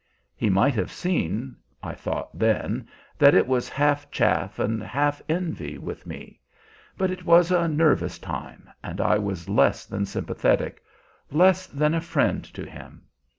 He might have seen, I thought then, that it was half chaff and half envy with me; but it was a nervous time, and I was less than sympathetic, less than a friend to him.